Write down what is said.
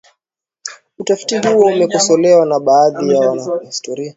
utafiti huo umekosolewa na baadhi ya wanahistoria na wataalamu wa kijamii